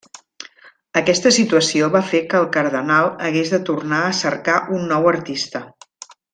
Aquesta situació va fer que el cardenal hagués de tornar a cercar un nou artista.